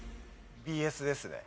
ＢＳですね。